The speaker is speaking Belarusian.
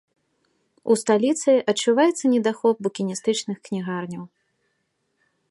У сталіцы адчуваецца недахоп букіністычных кнігарняў.